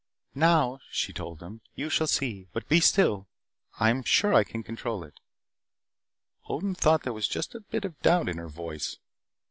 "Now," she told them. "You shall see. But be still. I am sure I can control it " Odin thought there was just a bit of doubt in her voice.